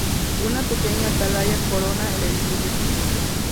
Una pequeña atalaya corona el edificio.